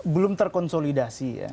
belum terkonsolidasi ya